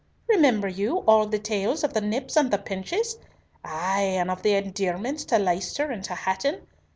Remember you all the tales of the nips and the pinches? Ay, and of all the endearments to Leicester and to Hatton?